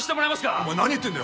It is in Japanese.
お前何言ってんだよ。